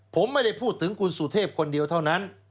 ผมไม่ได้พูดถึงคุณสุเทพคนเดียวเท่านั้น